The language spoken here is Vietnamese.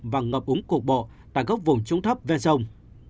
và ngập úng cục bộ tại góc vùng trúng thấp ven sông